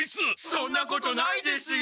そんなことないですよ！